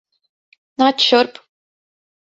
Nāc šurp.